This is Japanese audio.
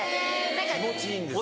気持ちいいんですよ。